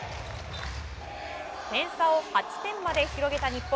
点差を８点まで広げた日本。